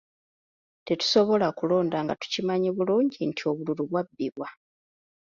Tetusobola kulonda nga tukimanyi bulungi nti obululu bwabbibwa.